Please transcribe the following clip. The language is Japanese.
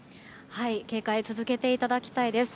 警戒を続けていただきたいです。